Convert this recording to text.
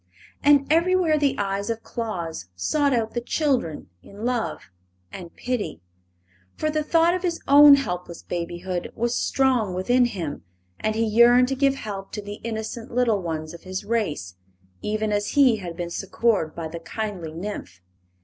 And everywhere the eyes of Claus sought out the children in love and pity, for the thought of his own helpless babyhood was strong within him and he yearned to give help to the innocent little ones of his race even as he had been succored by the kindly nymph.